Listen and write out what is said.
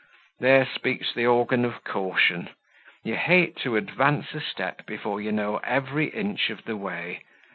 "There speaks the organ of caution. You hate to advance a step before you know every inch of the way.